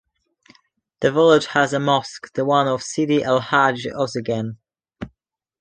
The village has a mosque, the one of Sidi El Hadj Ouzzeggane.